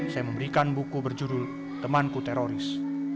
saya memberikan buku berjudul temanku teroris